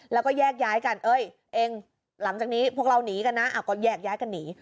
แล้วก็แยกย้ายกันเอ้ยเองหลังจากนี้พวกเราหนีกันนะก็แยกย้ายกันหนี